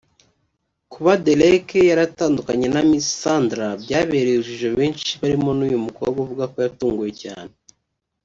Kuba Derek yaratandukanye na Miss Sandra byabereye urujijo benshi barimo n’uyu mukobwa uvuga ko yatunguwe cyane